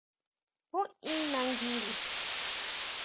¿Jú in nanguiri?